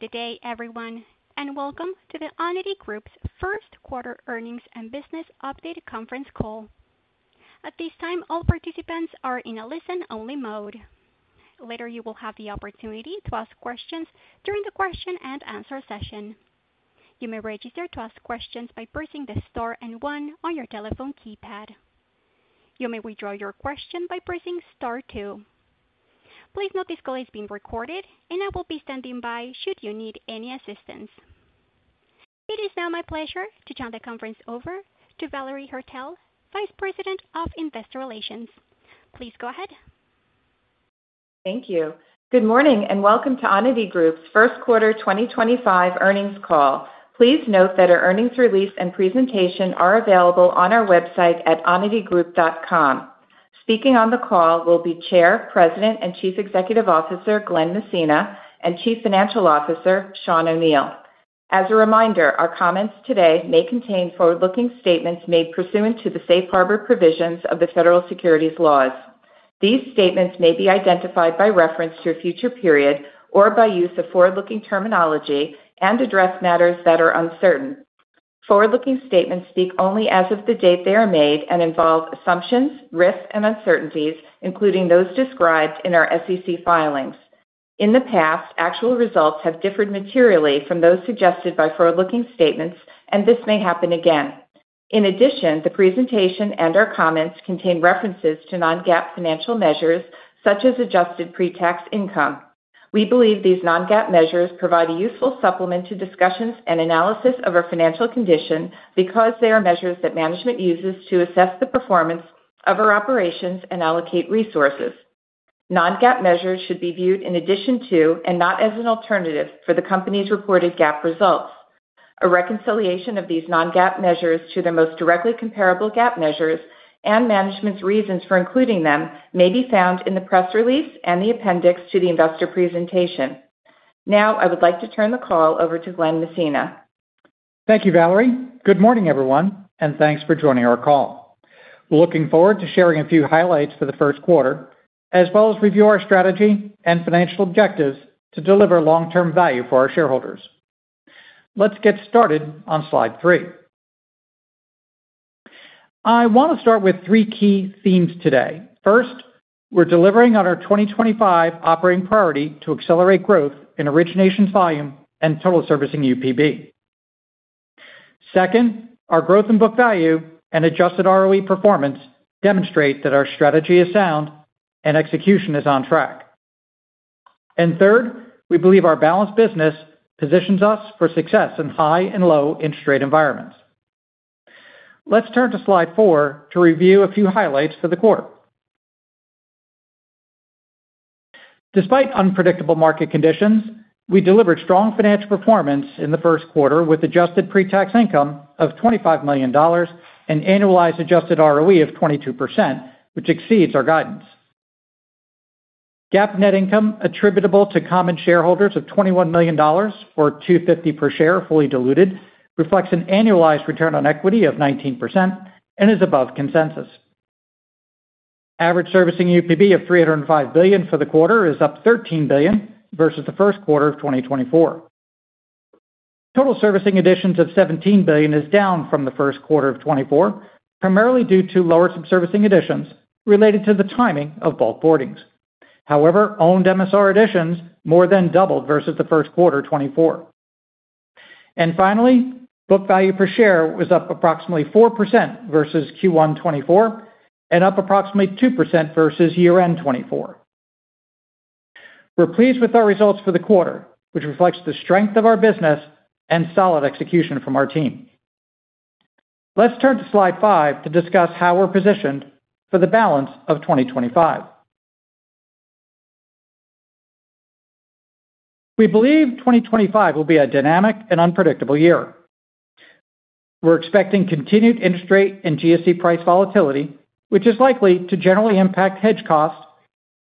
Good day everyone and welcome to the Onity Group's first quarter Earnings and Business Update conference call. At this time all participants are in a listen only mode. Later, you will have the opportunity to ask questions during the question and answer session. You may register to ask questions by pressing the star one on your telephone keypad. You may withdraw your question by pressing star two. Please note this call is being recorded and I will be standing by should you need any assistance. It is now my pleasure to turn the conference over to Valerie Haertel, Vice President of Investor Relations. Please go ahead. Thank you. Good morning and welcome to Onity Group's first quarter 2025 earnings call. Please note that our earnings release and presentation are available on our website at onitygroup.com. Speaking on the call will be Chair, President and Chief Executive Officer Glen Messina and Chief Financial Officer Sean O'Neil. As a reminder, our comments today may contain forward looking statements made pursuant to the safe harbor provisions of the Federal securities laws. These statements may be identified by reference to a future period or by use of forward looking terminology and address matters that are uncertain. Forward looking statements speak only as of the date they are made and involve assumptions, risks and uncertainties including those described in our SEC filings. In the past, actual results have differed materially from those suggested by forward looking statements and this may happen again. In addition, the presentation and our comments contain references to non-GAAP financial measures such as adjusted pretax income. We believe these non-GAAP measures provide a useful supplement to discussions and analysis of our financial condition because they are measures that management uses to assess the performance of our operations and allocate resources. Non-GAAP measures should be viewed in addition to and not as an alternative for the Company's reported GAAP results. A reconciliation of these non-GAAP measures to their most directly comparable GAAP measures and management's reasons for including them may be found in the press release and the appendix to the investor presentation. Now I would like to turn the call over to Glenn Messina. Thank you, Valerie. Good morning, everyone, and thanks for joining our call. Looking forward to sharing a few highlights for the first quarter as well as review our strategy and financial objectives to deliver long term value for our shareholders. Let's get started on slide three. I want to start with three key themes today. First, we're delivering on our 2025 operating priority to accelerate growth in originations volume and total servicing UPB. Second, our growth in book value and adjusted ROE performance demonstrate that our strategy is sound and execution is on track. Third, we believe our balanced business positions us for success in high and low interest rate environments. Let's turn to slide four to review a few highlights for the quarter. Despite unpredictable market conditions, we delivered strong financial performance in the first quarter with adjusted pre-tax income of $25 million and annualized adjusted ROE of 22% which exceeds our guidance. GAAP net income attributable to common shareholders of $21 million or $2.50 per share, fully diluted, reflects an annualized return on equity of 19% and is above consensus. Average servicing UPB of $305 billion for the quarter is up $13 billion versus the first quarter of 2024. Total servicing additions of $17 billion is down from 1Q24 primarily due to lower subservicing additions related to the timing of bulk boardings. However, owned MSR additions more than doubled versus the first quarter 2024 and finally, book value per share was up approximately 4% versus Q1 2024 and up approximately 2% versus year end 2024. We're pleased with our results for the quarter which reflects the strength of our business and solid execution from our team. Let's turn to Slide five to discuss how we're positioned for the balance of 2025. We believe 2025 will be a dynamic and unpredictable year. We're expecting continued interest rate and GSE price volatility which is likely to generally impact hedge cost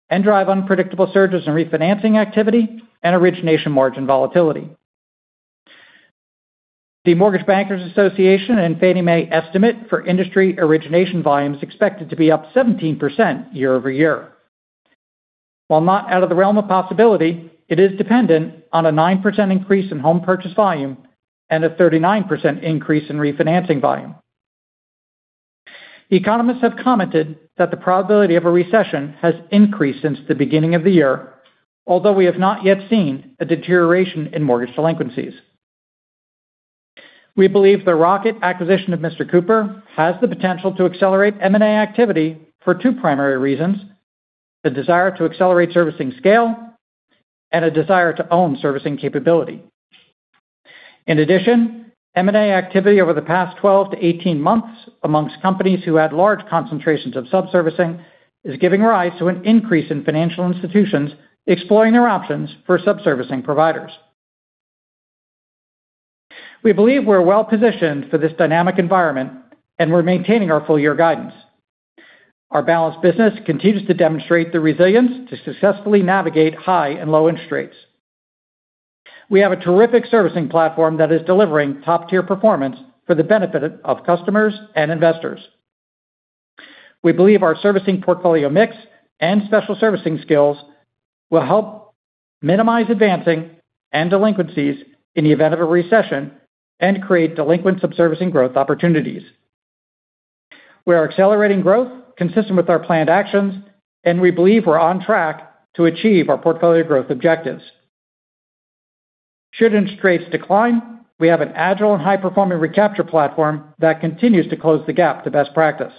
and drive unpredictable surges in refinancing activity and origination margin volatility. The Mortgage Bankers Association and Fannie Mae estimate for industry origination volumes expected to be up 17% year-over year. While not out of the realm of possibility, it is dependent on a 9% increase in home purchase volume and a 39% increase in refinancing volume. Economists have commented that the probability of a recession has increased since the beginning of the year, although we have not yet seen a deterioration in mortgage delinquencies. We believe the Rocket Companies acquisition of Mr. Cooper has the potential to accelerate M and A activity for two primary reasons, the desire to accelerate servicing scale and a desire to own servicing capability. In addition, M and A activity over the past 12 to 18 months amongst companies who had large concentrations of subservicing is giving rise to an increase in financial institutions exploring their options for subservicing providers. We believe we're well positioned for this dynamic environment and we're maintaining our full year guidance. Our balanced business continues to demonstrate the resilience to successfully navigate high and low interest rates. We have a terrific servicing platform that is delivering top tier performance for the benefit of customers and investors. We believe our servicing, portfolio mix and special servicing skills will help minimize advancing and delinquencies in the event of a recession and create delinquent subservicing growth opportunities. We are accelerating growth consistent with our planned actions and we believe we're on track to achieve our portfolio growth objectives should interest rates decline. We have an agile and high performing recapture platform that continues to close the gap to best practice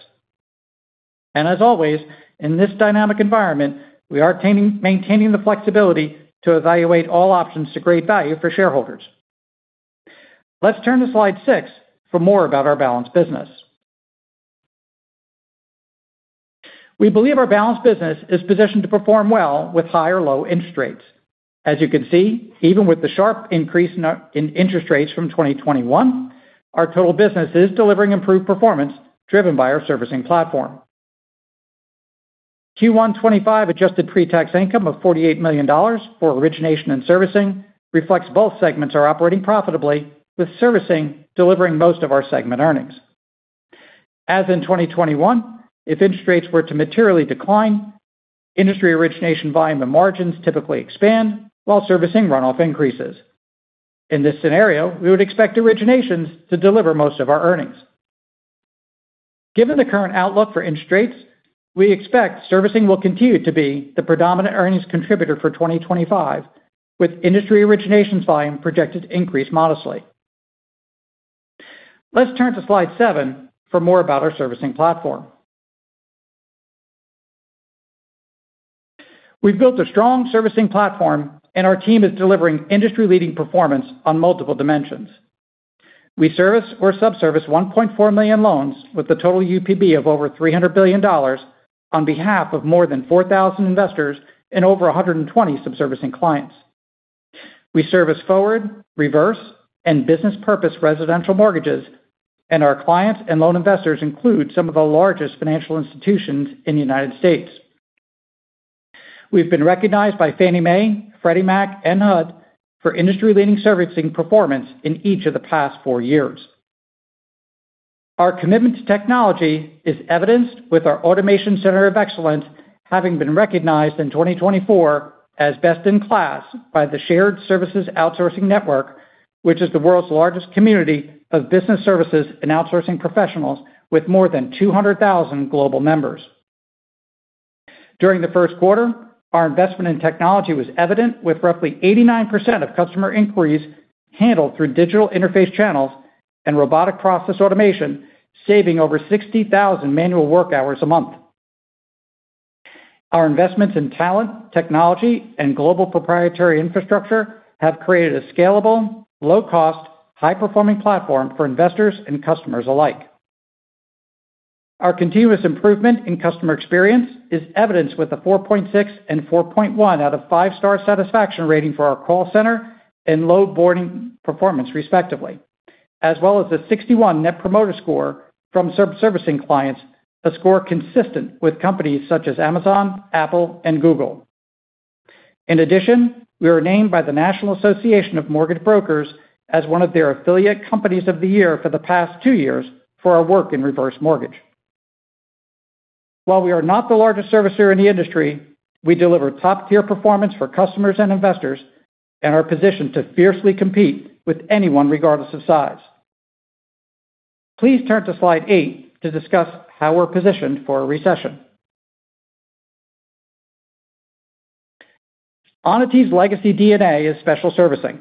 and as always in this dynamic environment, we are maintaining the flexibility to evaluate all options to create value for shareholders. Let's turn to Slide 6 for more about our balanced business. We believe our balanced business is positioned to perform well with high or low interest rates. As you can see, even with the sharp increase in interest rates from 2021, our total business is delivering improved performance driven by our servicing platform. Q1 2025 adjusted pretax income of $48 million for origination and servicing reflects both segments are operating profitably with servicing delivering most of our segment earnings. As in 2021, if interest rates were to materially decline, industry origination volume and margins typically expand while servicing runoff increases. In this scenario, we would expect originations to deliver most of our earnings. Given the current outlook for interest rates, we expect servicing will continue to be the predominant earnings contributor for 2025 with industry originations volume projected to increase modestly. Let's turn to Slide seven for more about our servicing platform. We've built a strong servicing platform and our team is delivering industry-leading performance on multiple dimensions. We service or subservice 1.4 million loans with a total UPB of over $300 billion on behalf of more than 4,000 investors and over 120 subservicing clients. We service forward, reverse, and business purpose residential mortgages and our clients and loan investors include some of the largest financial institutions in the United States. We've been recognized by Fannie Mae, Freddie Mac, and Huddle for industry leading servicing performance in each of the past four years. Our commitment to technology is evidenced with our Automation Center of Excellence having been recognized in 2024 as best in class by the Shared Services Outsourcing Network, which is the world's largest community of business services and outsourcing professionals with more than 200,000 global members. During the first quarter, our investment in technology was evident with roughly 89% of customer inquiries handled through digital interface channels and robotic process automation, saving over 60,000 manual work hours a month. Our investments in talent, technology, and global proprietary infrastructure have created a scalable, low cost, high performing platform for investors and customers alike. Our continuous improvement in customer experience is evidence with the 4.6 and 4.1 out of 5 star satisfaction rating for our call center low boarding performance respectively, as well as a 61 net promoter score from servicing clients, a score consistent with companies such as Amazon, Apple and Google. In addition, we are named by the National Association of Mortgage Brokers as one of their Affiliate Companies of the Year for the past two years for our work in reverse mortgage. While we are not the largest servicer in the industry, we deliver top tier performance for customers and investors and are positioned to fiercely compete with anyone regardless of size. Please turn to Slide eight to discuss how we're positioned for a recession. Onity's legacy DNA is special servicing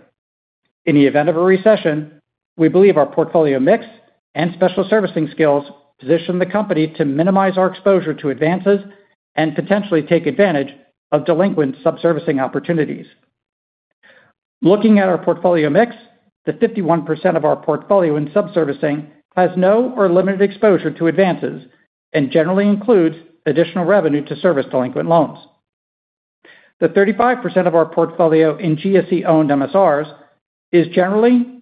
in the event of a recession. We believe our portfolio mix and special servicing skills position the company to minimize our exposure to advances and potentially take advantage of delinquent subservicing opportunities. Looking at our portfolio mix, the 51% of our portfolio in subservicing has no or limited exposure to advances and generally includes additional revenue to service delinquent loans. The 35% of our portfolio in GSE owned MSRs is generally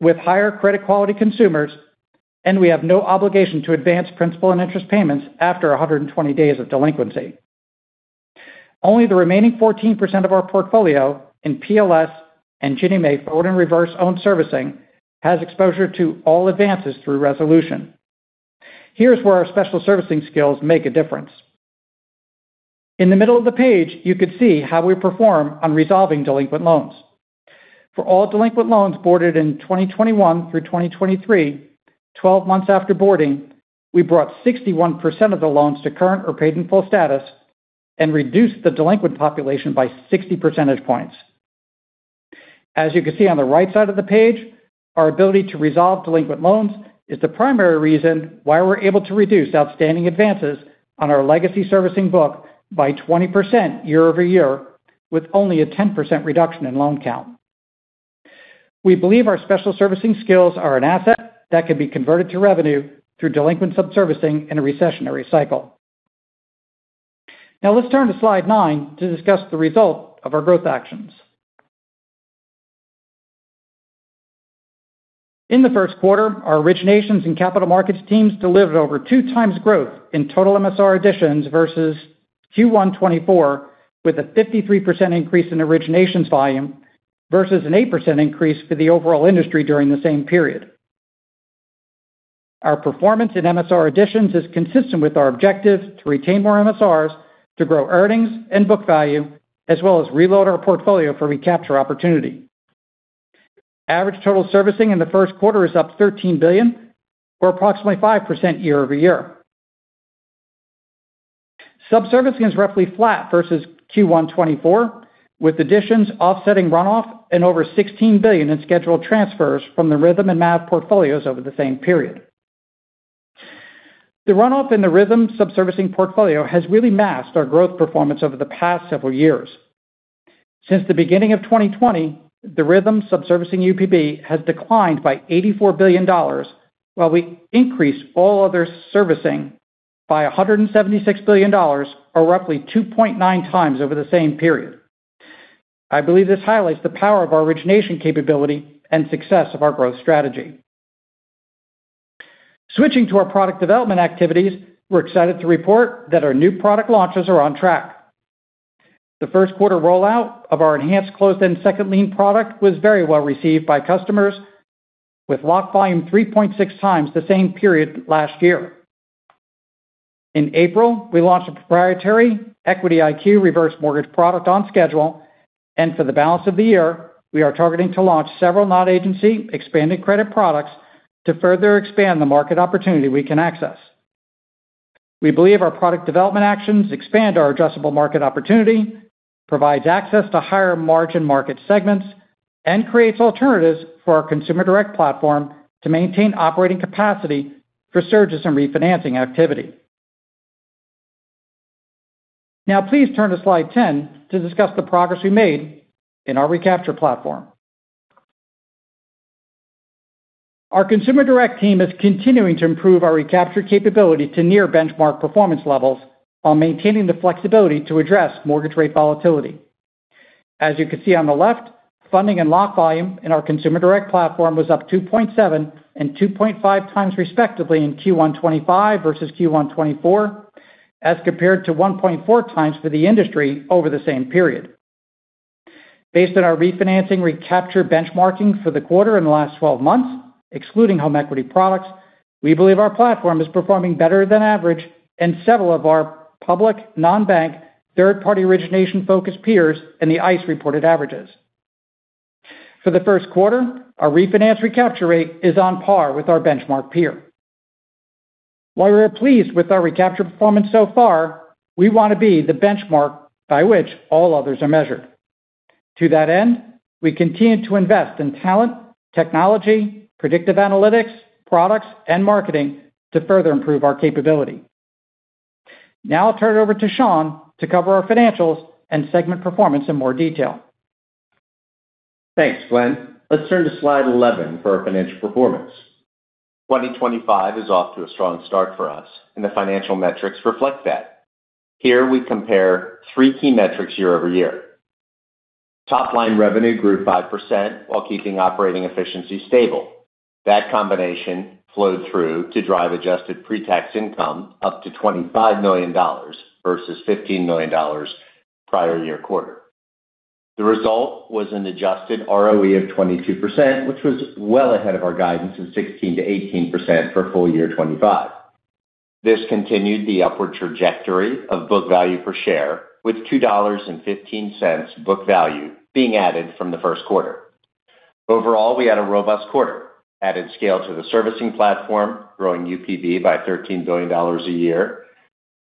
with higher credit quality consumers and we have no obligation to advance principal and interest payments after 120 days of delinquency. Only the remaining 14% of our portfolio in PLS and Ginnie Mae Forward and Reverse Owned Servicing has exposure to all advances through resolution. Here's where our special servicing skills make a difference. In the middle of the page you could see how we perform on resolving delinquent loans for all delinquent loans boarded in 2021 through 2023, 12 months after boarding, we brought 61% of the loans to current or paid in full status and reduced the delinquent population by 60 percentage points. As you can see on the right side of the page, our ability to resolve delinquent loans is the primary reason why we're able to reduce outstanding advances on our legacy servicing book by 20% year-over-year with only a 10% reduction in loan count. We believe our special servicing skills are an asset that can be converted to revenue through delinquent subservicing in a recessionary cycle. Now let's turn to slide nine to discuss the result of our growth actions. In the first quarter, our originations and capital markets teams delivered over two times growth in total MSR additions versus Q1 2024 with a 53% increase in originations volume versus an 8% increase for the overall industry during the same period. Our performance in MSR additions is consistent with our objective to retain more MSRs to grow earnings and book value as well as reload our portfolio for recapture opportunity. Average total servicing in the first quarter is up $13 billion or approximately 5% year-over-year. Subservicing is roughly flat versus Q1 2024 with additions offsetting runoff and over $16 billion in scheduled transfers from the Rhythm and MAV portfolios over the same period. The runoff in the Rhythm subservicing portfolio has really masked our growth performance over the past several years. Since the beginning of 2020, the rhythm subservicing UPB has declined by $84 billion while we increase all other servicing by $176 billion or roughly 2.9 times over the same period. I believe this highlights the power of our origination capability and success of our growth strategy. Switching to our product development activities, we're excited to report that our new product launches are on track. The first quarter rollout of our enhanced Closed End Second Lien Product was very well received by customers with lock volume 3.6 times the same period last year. In April we launched a proprietary Equity IQ reverse mortgage product on schedule and for the balance of the year we are targeting to launch several non agency expanded credit products to further expand the market opportunity we can access. We believe our product development actions expand our addressable market opportunity, provide access to higher margin market segments and create alternatives for our Consumer Direct platform to maintain operating capacity for surges and refinancing activity. Now please turn to Slide 10 to discuss the progress we made in our recapture platform. Our Consumer Direct team is continuing to improve our recapture capability to near benchmark performance levels while maintaining the flexibility to address mortgage rate volatility. As you can see on the left, funding and lock volume in our Consumer Direct platform was up 2.7x and 2.5x respectively in Q1 2025 versus Q1 2024 as compared to 1.4 times for the industry over the same period. Based on our refinancing recapture benchmarking for the quarter and the last 12 months excluding home equity products, we believe our platform is performing better than average and several of our public non-bank third party origination focused peers and the ICE reported averages for the first quarter, our refinance recapture rate is on par with our benchmark peer. While we are pleased with our recapture performance so far, we want to be the benchmark by which all others are measured. To that end, we continue to invest in talent, technology, predictive analytics, products, and marketing to further improve our capability. Now I'll turn it over to Sean to cover our financials and segment performance in more detail. Thanks Glenn. Let's turn to slide 11 for our financial performance. 2025 is off to a strong start for us and the financial metrics reflect that. Here we compare three key metrics year-over-year. Top line revenue grew 5% while keeping operating efficiency stable. That combination flowed through to drive adjusted pre-tax income up to $25 million versus $15 million prior year quarter. The result was an adjusted ROE of 22% which was well ahead of our guidance of 16-18% for full year 2025. This continued the upward trajectory of book value per share with $2.15 book value being added from the first quarter. Overall we had a robust quarter, added scale to the servicing platform, growing UPB by $13 billion a year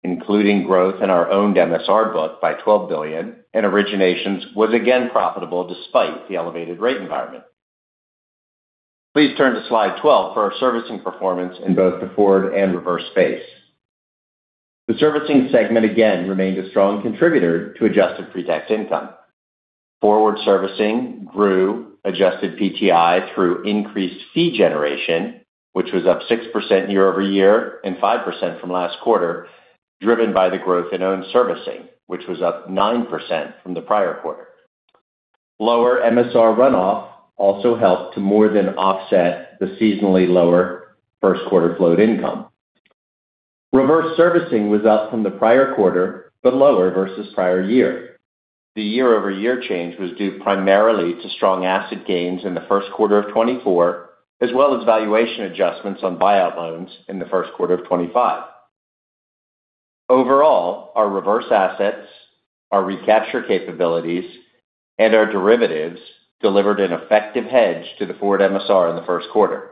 including growth in our owned MSR book by $12 billion and originations was again profitable despite the elevated rate environment. Please turn to Slide 12 for our servicing performance in both the forward and reverse space, the servicing segment again remained a strong contributor to adjusted pre-tax income. Forward servicing grew adjusted PTI through increased fee generation which was up 6% year-over-year and 5% from last quarter driven by the growth in owned servicing which was up 9% from the prior quarter. Lower MSR runoff also helped to more than offset the seasonally lower first quarter float income. Reverse servicing was up from the prior quarter but lower versus prior year. The year-over-year change was due primarily to strong asset gains in first quarter 2024 as well as valuation adjustments on buyout loans in first quarter 2025. Overall, our reverse assets, our recapture capabilities and our derivatives delivered an effective hedge to the forward MSR in the first quarter.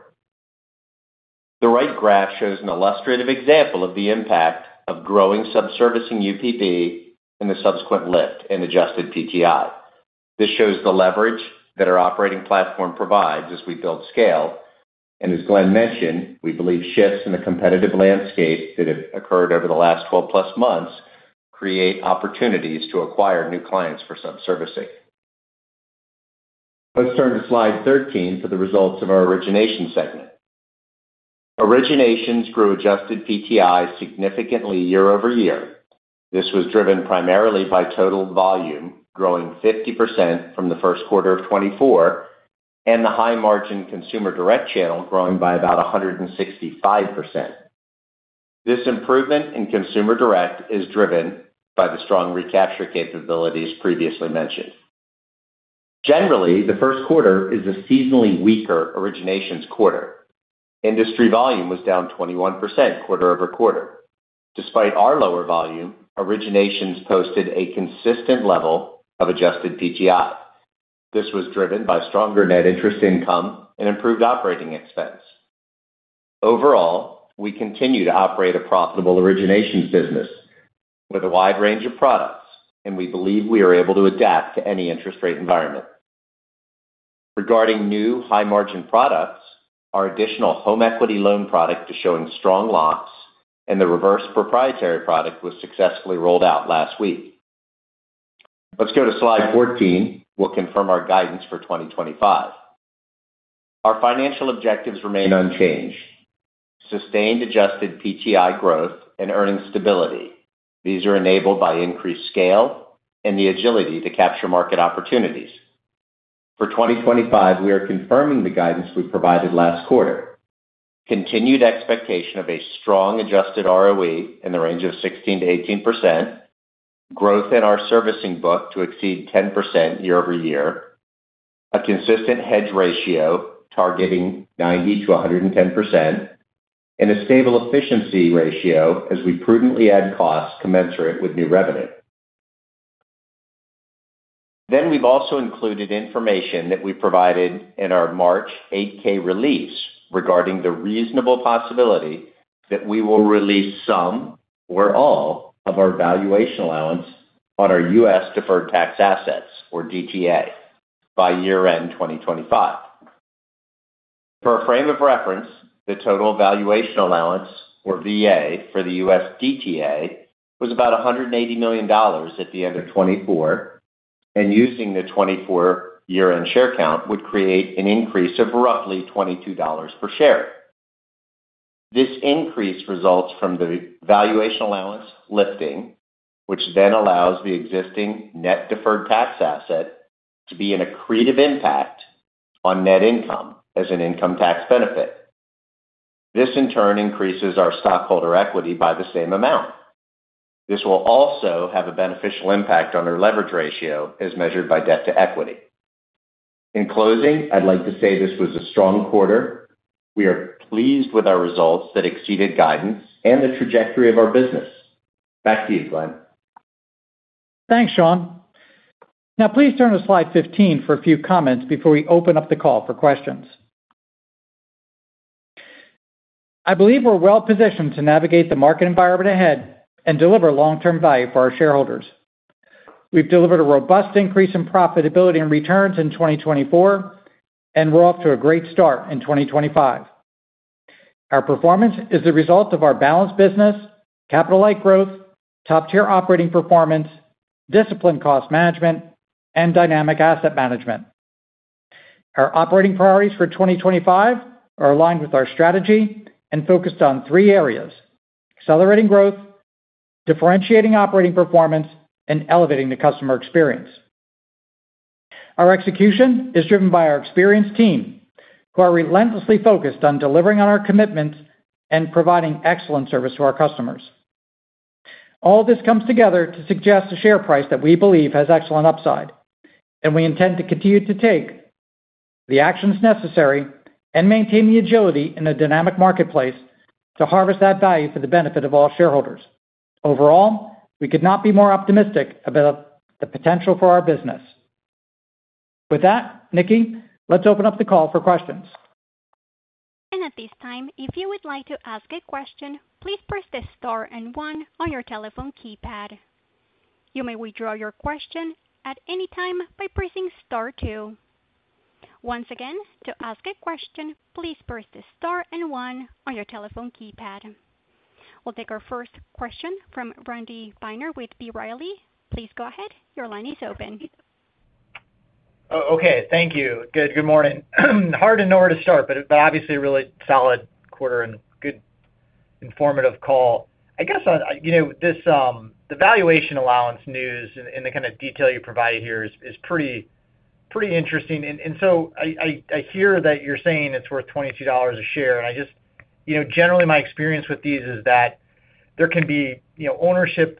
The right graph shows an illustrative example of the impact of growing subservicing UPB on and the subsequent lift in adjusted PTI. This shows the leverage that our operating platform provides as we build scale and as Glenn mentioned, we believe shifts in the competitive landscape that have occurred over the last 12 plus months create opportunities to acquire new clients for subservicing. Let's turn to Slide 13 for the results of our origination segment. Originations grew adjusted PTI significantly year over year. This was driven primarily by total volume growing 50% from 1Q 2024 and the high margin Consumer Direct channel growing by about 165%. This improvement in Consumer Direct is driven by the strong recapture capabilities previously mentioned. Generally, the first quarter is a seasonally weaker originations quarter. Industry volume was down 21% quarter over quarter. Despite our lower volume, originations posted a consistent level of adjusted PTI. This was driven by stronger net interest income and improved operating expense. Overall, we continue to operate a profitable originations business with a wide range of products and we believe we are able to adapt to any interest rate environment. Regarding new high margin products, our additional home equity loan product is showing strong locks and the reverse proprietary product was successfully rolled out last week. Let's go to slide 14. We'll confirm our guidance for 2025. Our financial objectives remain unchanged, sustained adjusted PTI growth and earnings stability. These are enabled by increased scale and the agility to capture market opportunities. For 2025, we are confirming the guidance we provided last quarter. Continued expectation of a strong adjusted ROE in the range of 16-18%, growth in our servicing book to exceed 10% year-over-year, a consistent hedge ratio targeting 90-110%, and a stable efficiency ratio as we prudently add costs commensurate with new revenue. We have also included information that we provided in our March 8K release regarding the reasonable possibility that we will release some or all of our valuation allowance on our U.S. deferred tax assets or DTA by year end 2025 for a frame of reference. The total valuation allowance or VA for the U.S. DTA was about $180 million at the end of 2024 and using the 2024 year end share count would create an increase of roughly $22 per share. This increase results from the valuation allowance lifting which then allows the existing net deferred tax asset to be an accretive impact on net income as an income tax benefit. This in turn increases our stockholder equity by the same amount. This will also have a beneficial impact on our leverage ratio as measured by debt to equity. In closing, I'd like to say this was a strong quarter. We are pleased with our results that exceeded guidance and the trajectory of our business. Back to you Glenn. Thanks Sean. Now please turn to slide 15 for a few comments before we open up the call for questions. I believe we're well positioned to navigate the market environment ahead and deliver long term value for our shareholders. We've delivered a robust increase in profitability and returns in 2024 and we're off to a great start in 2025. Our performance is the result of our balanced business capital, light growth, top tier operating performance, disciplined cost management and dynamic asset management. Our operating priorities for 2025 are aligned with our strategy and focused on three areas: accelerating growth, differentiating operating performance and elevating the customer experience. Our execution is driven by our experienced team who are relentlessly focused on delivering on our commitments and providing excellent service to our customers. All this comes together to suggest a share price that we believe has excellent upside. We intend to continue to take the actions necessary and maintain the agility in a dynamic marketplace to harvest that value for the benefit of all shareholders. Overall, we could not be more optimistic about the potential for our business. With that, Nikki, let's open up the call for questions. At this time, if you would like to ask a question, please press the star and one on your telephone keypad. You may withdraw your question at any time by pressing star two. Once again, to ask a question, please press the star and one on your telephone keypad. We'll take our first question from Randy Binner with B. Riley. Please go ahead. Your line is open. Okay, thank you. Good. Good morning. Hard to know where to start, but obviously really solid quarter and good informative call. I guess the valuation allowance news and the kind of detail you provided here is pretty interesting. I hear that you're saying it's worth $22 a share. I just, generally, my experience with these is that there can be ownership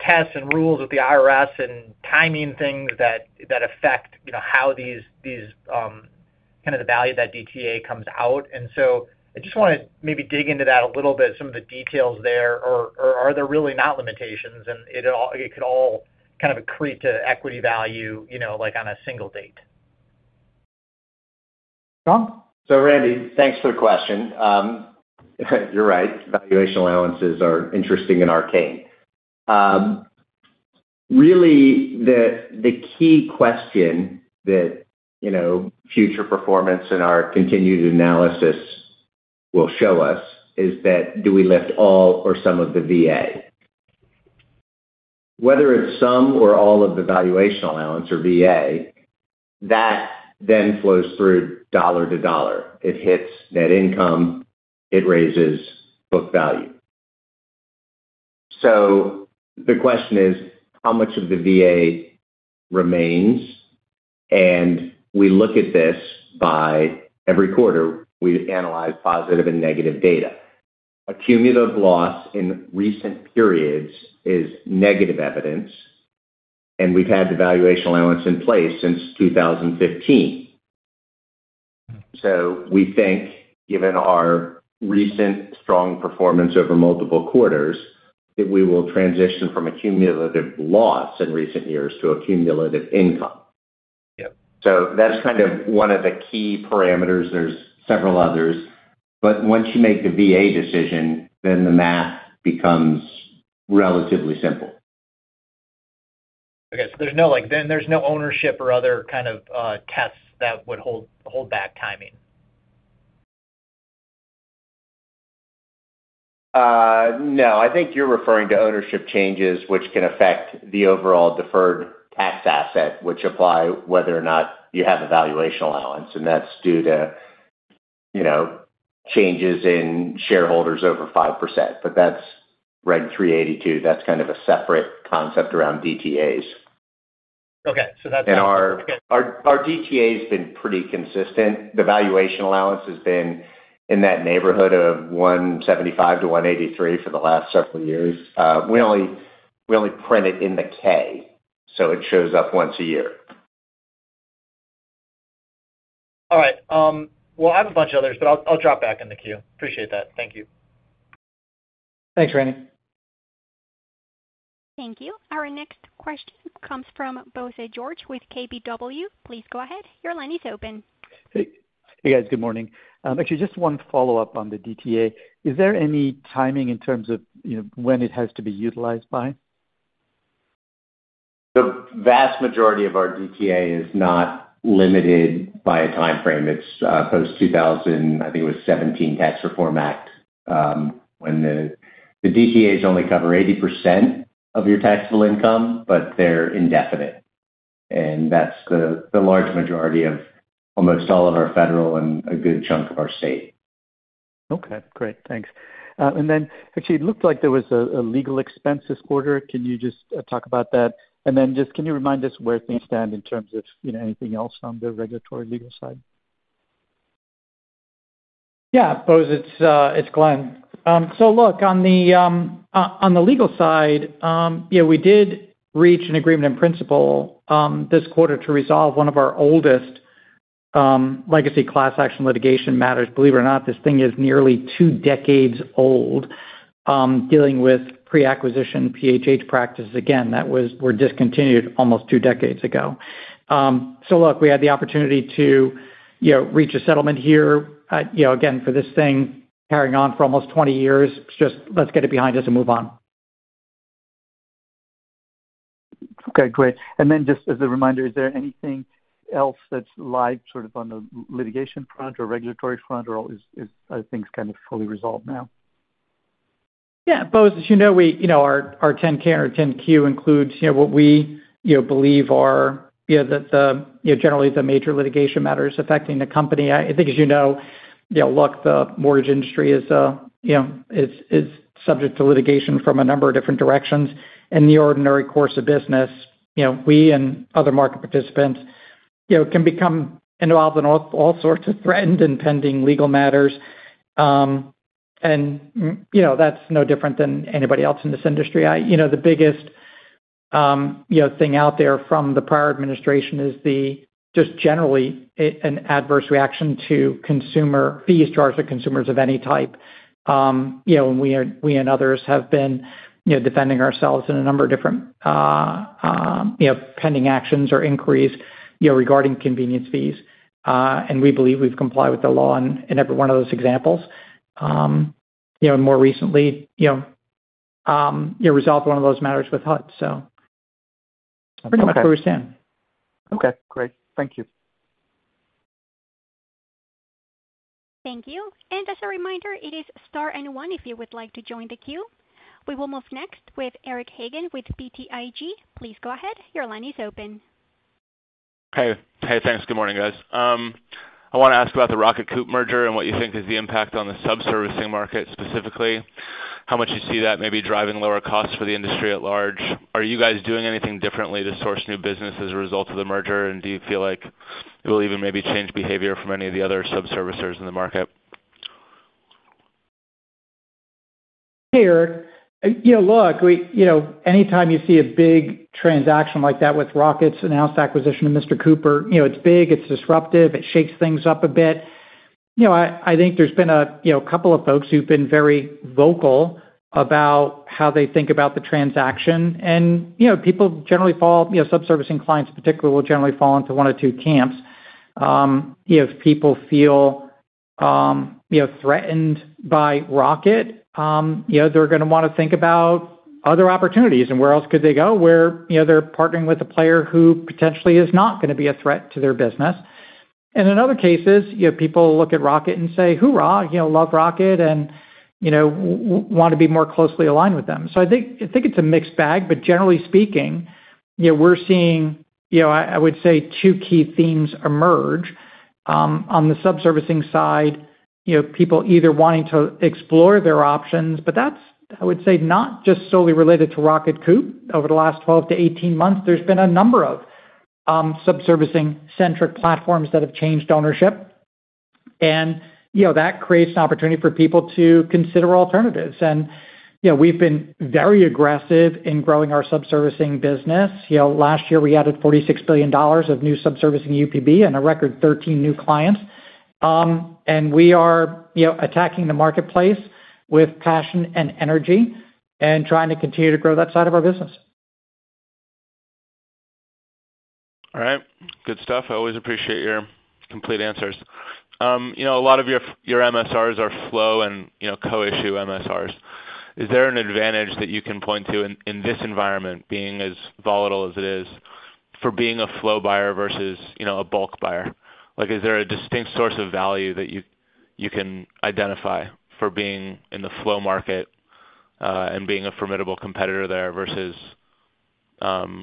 tests and rules with the IRS and timing things that affect how these, these kind of the value that DTA comes out. I just want to maybe dig into that a little bit. Some of the details there or are there really not limitations, and it could all kind of accrete to equity value, you know, like on a single date. John. Randy, thanks for the question. You're right. Valuation allowances are interesting and arcane. Really, the key question that, you know, future performance and our continued analysis will show us is that do we lift all or some of the VA? Whether it's some or all of the valuation allowance or VA, that then flows through dollar to dollar, it hits net income, it raises book value. The question is how much of the VA remains? We look at this by every quarter. We analyze positive and negative data. Accumulative loss in recent periods is negative evidence. We've had the valuation allowance in place since 2015. We think, given our recent strong performance over multiple quarters, that we will transition from accumulative loss in recent years to accumulative income. That's kind of one of the key parameters. There's several others. Once you make the VA decision, then the math becomes relatively simple. Okay, so there's no like, then there's no ownership or other kind of tests that would hold back timing? No, I think you're referring to ownership changes which can affect the overall deferred tax asset which apply whether or not you have a valuation allowance. That's due to, you know, changes in shareholders over 5%. That's Reg. 382. That's kind of a separate concept around DTAs. Okay, so that's. Our DTA has been pretty consistent. The valuation allowance has been in that neighborhood of $175 million-$183 million for the last several years. We only print it in the K, so it shows up once a year. All right, I have a bunch of others, but I'll drop back in the queue. Appreciate that. Thank you. Thanks, Randy. Thank you. Our next question comes from Bose George with KBW. Please go ahead. Your line is open. Hey guys. Good morning. Actually, just one follow up on the DTA. Is there any timing in terms of when it has to be utilized by? The vast majority of our DTA is not limited by a time frame. It's post 2000, I think it was 2017 tax reform act, when the DTA's only cover 80% of your taxable income, but they're indefinite. And that's the large majority of almost all of our federal and a good chunk of our state. Okay, great, thanks. Actually, it looked like there was a legal expense this quarter. Can you just talk about that and then just, can you remind us where things stand in terms of anything else on the regulatory legal side? Yeah, Bose, it's Glenn. Look, on the legal side, we did reach an agreement in principle this quarter to resolve one of our oldest legacy class action litigation matters. Believe it or not, this thing is nearly two decades old dealing with pre-acquisition PHH practices. Again, those were discontinued almost two decades ago. We had the opportunity to reach a settlement here for this thing carrying on for almost 20 years. Let's get it behind us and move on. Okay, great. Just as a reminder, is there anything else that's live sort of on the litigation front or regulatory front, or is things kind of fully resolved now? Yeah, Bose, as you know, our 10K and 10Q include what we believe are generally the major litigation matters affecting the company. I think, as you know, the mortgage industry is, you know, subject to litigation from a number of different directions in the ordinary course of business. You know, we and other market participants, you know, can become involved in all sorts of threatened and pending legal matters. You know, that's no different than anybody else in this industry. You know, the biggest thing out there from the prior administration is just generally an adverse reaction to consumer fees charged to consumers of any type. You know, we and others have been, you know, defending ourselves in a number of different, you know, pending actions or inquiries, you know, regarding convenience fees. And we believe we've complied with the law in every one of those examples. You know, more recently, you know, you resolved one of those matters with HUD. So pretty much where we stand. Okay, great. Thank you. Thank you. As a reminder, it is star N1 if you would like to join the queue. We will move next with Eric Hagan with BTIG. Please go ahead. Your line is open. Hey, thanks. Good morning, guys. I want to ask about the Rocket Companies merger and what you think is the impact on the subservicing market, specifically how much you see that maybe driving lower costs for the industry at large. Are you guys doing anything differently to source new business as a result of the merger, and do you feel like it will even maybe change behavior from any of the other subservicers in the market? Hey, Eric, you know, look, anytime you see a big transaction like that with Rocket's announced acquisition of Mr. Cooper, it's big, it's disruptive, it shakes things up a bit. I think there's been a couple of folks who've been very vocal about how they think about the transaction. People generally fall. Subservicing clients particularly will generally fall into one or two camps. If people feel threatened by Rocket, they're going to want to think about other opportunities and where else could they go where they're partnering with a player who potentially is not going to be a threat to their business. In other cases, people look at Rocket and say, hoorah. Love Rocket. Want to be more closely aligned with them. I think it's a mixed bag. Generally speaking, you know, we're seeing, you know, I would say two key themes emerge on the subservicing side. You know, people either wanting to explore their options, but that's, I would say, not just solely related to Rocket Companies. Over the last 12 to 18 months, there's been a number of subservicing-centric platforms that have changed ownership. You know, that creates an opportunity for people to consider alternatives. You know, we've been very aggressive in growing our subservicing business. Last year we added $46 billion of new subservicing UPB and a record 13 new clients. We are attacking the marketplace with passion and energy and trying to continue to grow that side of our business. All Right. Good stuff. I always appreciate your complete answers. A lot of your MSRs are flow and co-issue MSRs. Is there an advantage that you can point to in this environment being as volatile as it is for being a flow buyer versus a bulk buyer? Is there a distinct source of value that you can identify for being in the flow market and being a formidable competitor there versus sourcing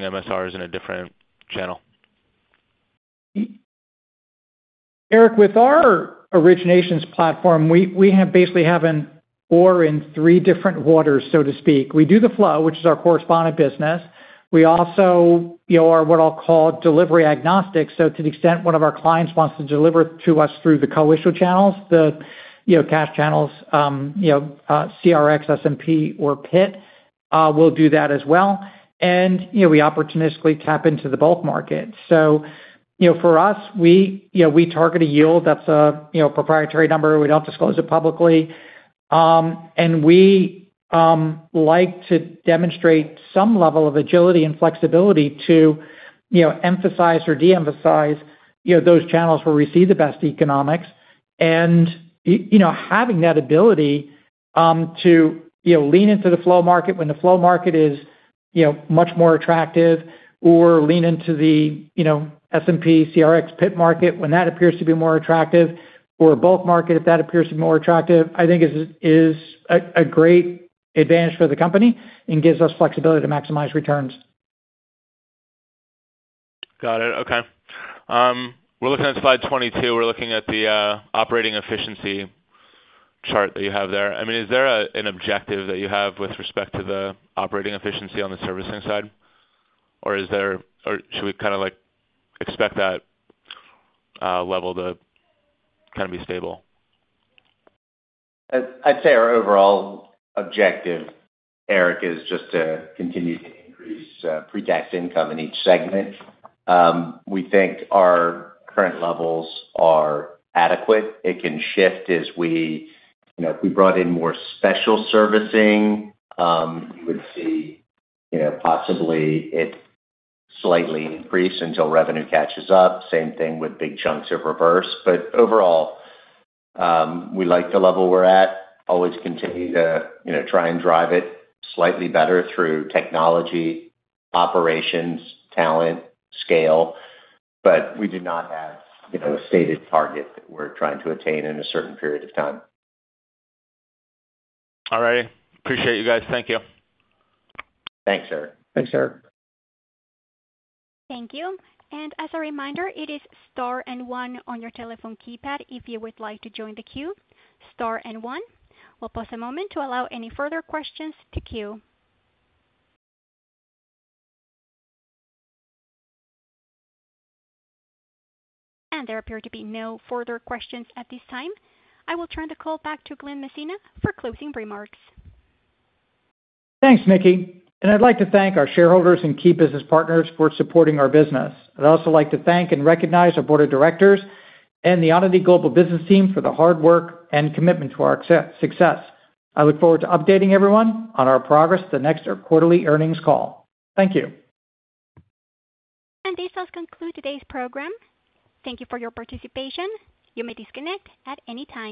MSRs in a different channel? Eric, with our originations platform, we basically have or in three different waters, so to speak. We do the flow, which is our correspondent business. We also are what I'll call delivery agnostic. To the extent one of our clients wants to deliver to us through the co-issue channels, the cash channels, CRX, S&P or PIT, we will do that as well. We opportunistically tap into the bulk market. For us, we target a yield that's a proprietary number. We do not disclose it publicly, and we like to demonstrate some level of agility and flexibility to emphasize or de-emphasize those channels where we see the best economics. Having that ability to lean into the flow market when the flow market is much more attractive, or lean into the S&P CRX PIT market when that appears to be more attractive for a bulk market, if that appears to be more attractive, I think is a great advantage for the company and gives us flexibility to maximize returns. Got it. Okay, we're looking at slide 22. We're looking at the operating efficiency chart that you have there. I mean, is there an objective that you have with respect to the operating efficiency on the servicing side, or is there or should we kind of like expect that level to kind of be stable? I'd say our overall objective, Eric, is just to continue to increase pretax income in each segment. We think our current levels are adequate. It can shift as we, you know, if we brought in more special servicing, you would see, you know, possibly it slightly increase until revenue catches up. Same thing with big chunks of reverse. Overall, we like the level we're at, always continue to try and drive it slightly better through technology, operations, talent scale. We do not have a stated target that we're trying to attain in a certain period of time. All right, appreciate you guys. Thank you. Thanks, Eric. Thank you. As a reminder, it is star one on your telephone keypad if you would like to join the queue. Star and one. We'll pause a moment to allow any further questions to queue. There appear to be no further questions at this time. I will turn the call back to Glenn Messina for closing remarks. you, Nicky. I would like to thank our shareholders and key business partners for supporting our business. I would also like to thank and recognize our board of directors and the Onity Group business team for the hard work and commitment to our success. I look forward to updating everyone on our progress at the next quarterly earnings call. Thank you. This does conclude today's program. Thank you for your participation. You may disconnect at any time.